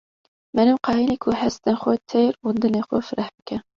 meriv qayile ku hestên xwe têr û dilê xwe fireh bike.